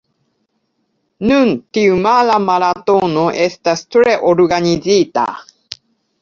Nun, tiu mara maratono estas tre organizita.